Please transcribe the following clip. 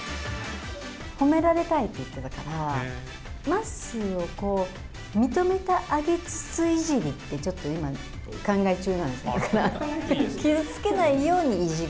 褒められたいって言ってたから、まっすーを認めてあげつついじりって、ちょっと今、考え中なんです、だから。傷つけないようにいじる。